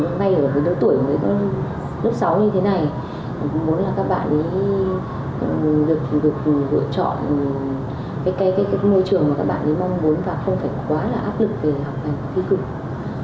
hôm nay ở với đứa tuổi mới có lớp sáu như thế này muốn là các bạn ấy được lựa chọn cái môi trường mà các bạn ấy mong muốn và không phải quá là áp lực để học hành